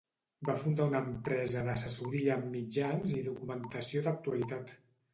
Va fundar una empresa d'assessoria en mitjans i documentació d'actualitat.